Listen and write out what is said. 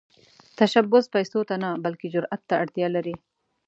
تشبث پيسو ته نه، بلکې جرئت ته اړتیا لري.